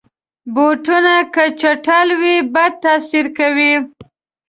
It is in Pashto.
بوټونه که چټل وي، بد تاثیر کوي.